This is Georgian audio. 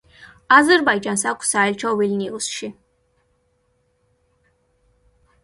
აზერბაიჯანს აქვს საელჩო ვილნიუსში.